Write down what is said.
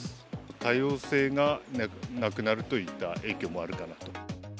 多様性がなくなるといった影響もあるかなと。